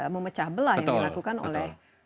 memecah belah yang dilakukan oleh